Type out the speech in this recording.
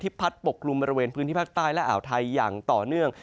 พัดปกกลุ่มบริเวณพื้นที่ภาคใต้และอ่าวไทยอย่างต่อเนื่อง